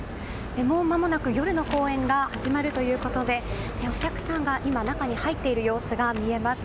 もうまもなく夜の公演が始まるということでお客さんが今、中に入っている様子が見えます。